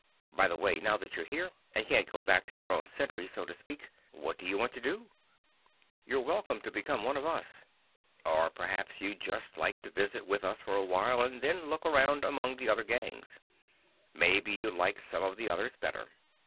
By the way, now that you're here, and can't go back to your own century, so to speak, what do you want to do? You're welcome to become one of us. Or perhaps you'd just like to visit with us for a while, and then look around among the other gangs. Maybe you'd like some of the others better.